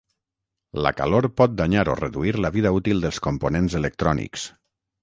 La calor pot danyar o reduir la vida útil dels components electrònics.